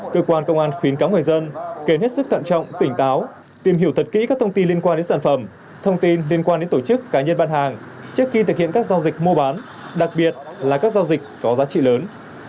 cơ quan công an khuyến cáo người dân cần hết sức cẩn trọng tỉnh táo tìm hiểu thật kỹ các thông tin liên quan đến sản phẩm thông tin liên quan đến tổ chức cá nhân bán hàng trước khi thực hiện các giao dịch mua bán đặc biệt là các giao dịch có giá trị lớn